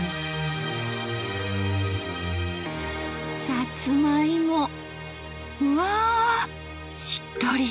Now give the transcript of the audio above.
さつまいもうわしっとり！